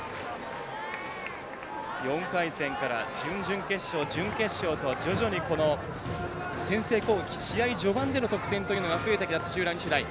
４回戦から準々決勝、準決勝と徐々に先制攻撃試合序盤での得点というのが増えてきた土浦日大。